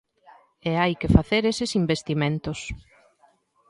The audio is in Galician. E hai que facer eses investimentos.